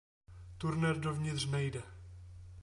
Turner dovnitř nejde.